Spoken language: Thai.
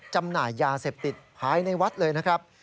จำหน่ายยาเสพติดภายในวัดเลยนะครับ